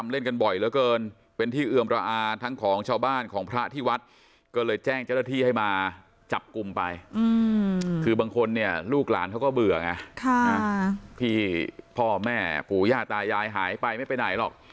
ลูกหลานเขาก็เบื่อพี่พ่อแม่ปู่ย่าตายยายหายไปไม่ไปไหนหรอก